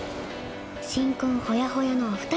新婚ホヤホヤのお二人。